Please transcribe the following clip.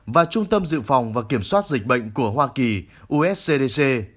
và trung tâm dự phòng và kiểm soát dịch bệnh của hoa kỳ uscdc